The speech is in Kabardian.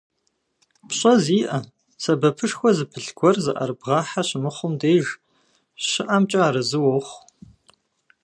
ПщӀэ зиӀэ, сэбэпышхуэ зыпылъ гуэр зыӀэрыбгъэхьэ щымыхъум деж щыӀэмкӀэ арэзы уохъу.